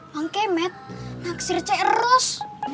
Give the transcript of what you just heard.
makasih met naksir cerus